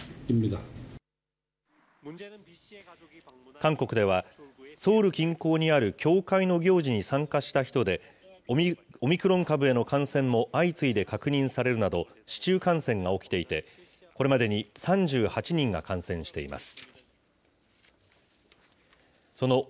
韓国では、ソウル近郊にある教会の行事に参加した人で、オミクロン株への感染も相次いで確認されるなど、市中感染が起きていて、これまでに３８人が感染しています。